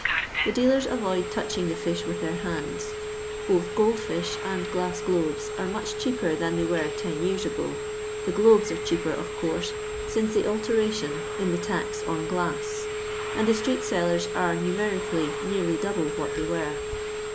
The dealers avoid touching the fish with their hands. Both gold fi«h and glass globes nn much cheaper than they were ten years ago ; the globes are cheaper, of course, since the alteration in the LONDON LABOUR AND THB LONDON POOR. 79 tax on glaia, and the street^Uen are, mimerically, neariy double wbat they were.